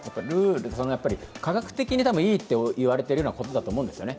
科学的にいいと言われているようなことだと思うんですよね。